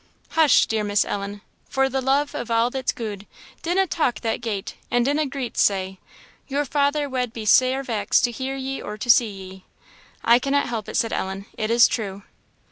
"Hush, dear Miss Ellen! for the love of a' that's gude; dinna talk that gate, and dinna greet sae! your father wad be sair vexed to hear ye or to see ye." "I cannot help it," said Ellen; "it is true."